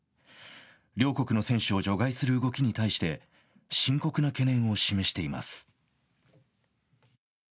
両国の選手を除外する動きに対して深刻な懸念を示しています。